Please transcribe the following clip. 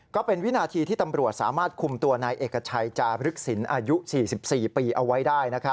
ก็เป็นวินาทีที่ตำรวจสามารถคุมตัวนายเอกชัยจารึกศิลป์อายุ๔๔ปีเอาไว้ได้